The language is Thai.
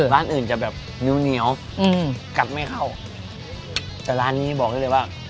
ร้านอื่นจะแบบเหนียวเหนียวอืมกัดไม่เข้าแต่ร้านนี้บอกได้เลยว่า